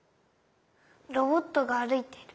ロボットがあるいてる。